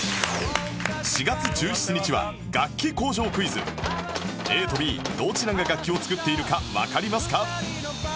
４月１７日は楽器工場クイズＡ と Ｂ どちらが楽器を作っているかわかりますか？